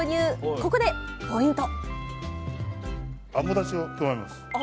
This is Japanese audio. ここでポイント